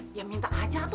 dia juga tak kuat